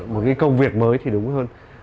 một cái công việc mới thì đúng hơn